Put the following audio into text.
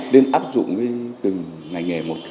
nên áp dụng từng ngành nghề một